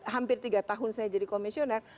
hampir tiga tahun saya jadi komisioner